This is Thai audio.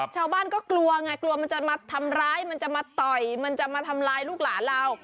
ชาวบ้านก็กลัวไงกลัวมันจะมาทำร้ายมันจะมาต่อยมันจะมาทำร้ายลูกหลานเรา